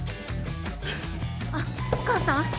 あっお母さん？